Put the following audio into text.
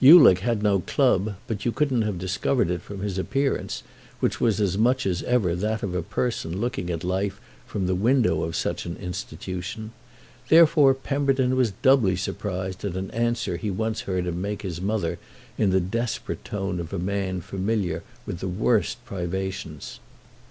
Ulick had no club but you couldn't have discovered it from his appearance, which was as much as ever that of a person looking at life from the window of such an institution; therefore Pemberton was doubly surprised at an answer he once heard him make his mother in the desperate tone of a man familiar with the worst privations.